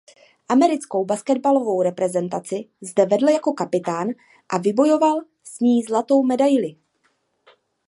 Americkou basketbalovou reprezentaci zde vedl jako kapitán a vybojoval s ní zlatou medaili.